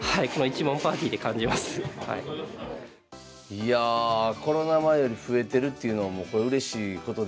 いやあコロナ前より増えてるっていうのはうれしいことですよね。